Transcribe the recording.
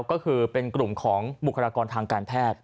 ก็คือเป็นกลุ่มของบุคลากรทางการแพทย์